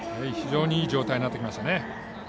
非常にいい状態になってきました。